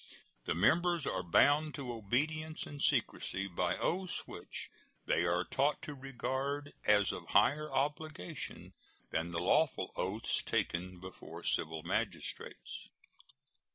The members are bound to obedience and secrecy by oaths which they are taught to regard as of higher obligation than the lawful oaths taken before civil magistrates.